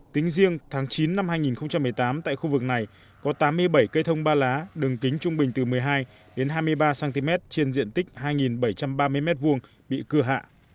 tính riêng tháng chín năm hai nghìn một mươi tám tại khu vực này có tám mươi bảy cây thông ba lá đường kính trung bình từ một mươi hai đến hai mươi ba cm trên diện tích hai bảy trăm ba mươi m hai bị cưa hạ